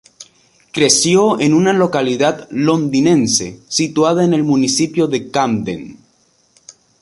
Creció en una localidad londinense situada en el municipio de Camden.